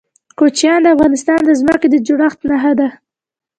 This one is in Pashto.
کوچیان د افغانستان د ځمکې د جوړښت نښه ده.